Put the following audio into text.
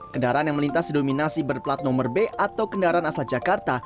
kendaraan yang melintas didominasi berplat nomor b atau kendaraan asal jakarta